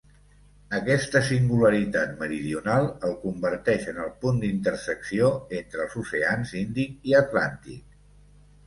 Aquesta singularitat meridional el converteix en el punt d'intersecció entre els oceans Índic i Atlàntic.